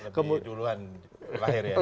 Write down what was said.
lebih duluan lahir ya